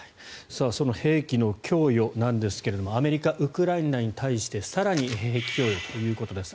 その兵器の供与なんですがアメリカはウクライナに対して更に兵器供与ということです。